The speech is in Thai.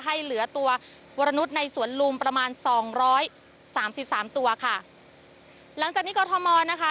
ให้เหลือตัววรนุษย์ในสวนลุมประมาณสองร้อยสามสิบสามตัวค่ะหลังจากนี้กรทมนะคะ